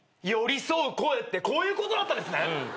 寄り添う声ってこういうことだったんですね！